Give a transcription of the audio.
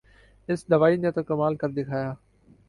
اس دوائی نے تو کمال کر دکھایا